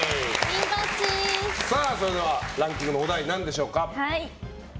それでは、ランキングのお題何でしょうか？